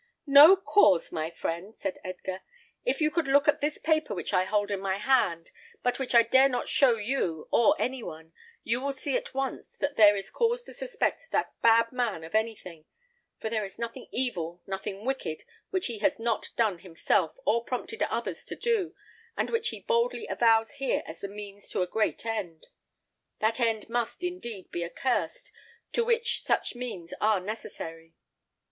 "No cause, my friend!" said Edgar. "If you could look at this paper which I hold in my hand, but which I dare not show you or any one, you would see at once that there is cause to suspect that bad man of anything; for there is nothing evil, nothing wicked, which he has not done himself, or prompted others to do, and which he boldly avows here as the means to a great end. That end must, indeed, be accursed, to which such means are necessary.